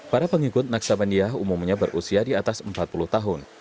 para pengikut naksabandia umumnya berusia di atas empat puluh tahun